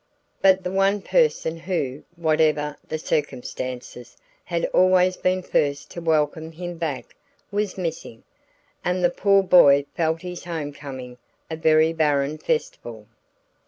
But the one person who whatever the circumstances had always been first to welcome him back, was missing; and the poor boy felt his home coming a very barren festival.